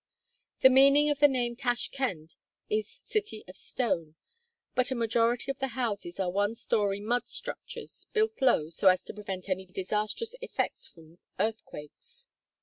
The meaning of the name Tashkend is "city of stone," but a majority of the houses are one story mud structures, built low, so as to prevent any disastrous effects from earthquakes.